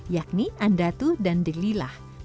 yakni andatu dan delilah